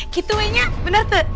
gitu wehnya bener tuh